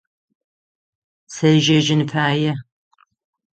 Сежьэжьын фае.